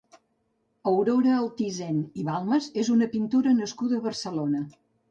Aurora Altisent i Balmas és una pintora nascuda a Barcelona.